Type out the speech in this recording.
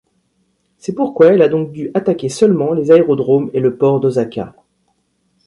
C'est pourquoi elle a donc dû attaquer seulement les aérodromes et le port d'Osaka.